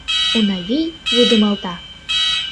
— Унавий вудымалта.